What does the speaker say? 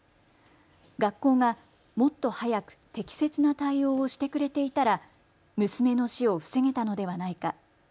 学校がもっと早く適切な対応をしてくれていたら娘の死を防げたのではないか。